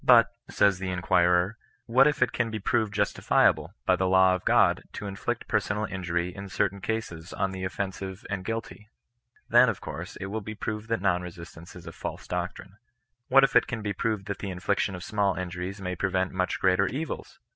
But, says the in quirer —" what if it can be proved justifiable, by the law of God, to inflict personal injury in certain cases on the offensive and guilty ?" Then, of course, it will be proved that non resistance is a false doctrine. '^ What if it can be proved that the infliction of small injuries may pre vent much greater evils?"